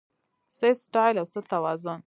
څه سټایل او څه توازن